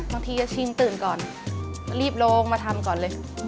บางทีจะชิงตื่นก่อนรีบลงมาทำก่อนเลย